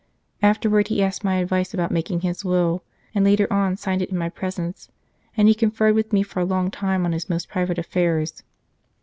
Afterwards he asked my advice about making his will, and later on signed it in my presence, and he conferred with me for a long time on his most private affairs."